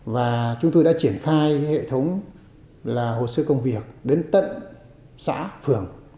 và chúng tôi đã triển khai hệ thống hồ sơ công việc đến tận xã phường